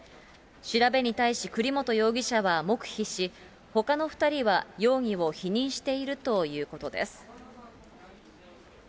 調べに対し栗本容疑者は黙秘し、ほかの２人は容疑を否認しているということです。